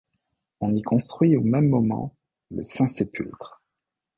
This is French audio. On y construit au même moment le Saint-Sépulcre.